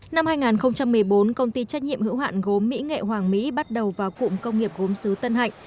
năm hai nghìn một mươi bốn công ty trách nhiệm hữu hạn gốm mỹ nghệ hoàng mỹ bắt đầu vào cụm công nghiệp gốm xứ tân hạnh